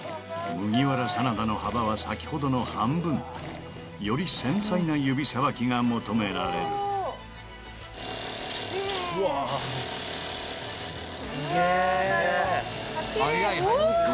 麦わら真田の幅は先ほどの半分より繊細な指さばきが求められるうわなるほど！